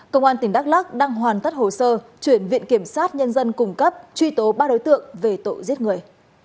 công an tỉnh đắk lắc đang hoàn tất hồ sơ chuyển viện kiểm sát nhân dân cung cấp truy tố ba đối tượng về tội giết người